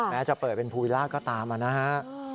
แม้จะเปิดเป็นภูวิล่าก็ตามนะฮะ